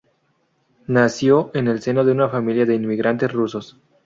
Nació en el seno de una familia de inmigrantes rusos.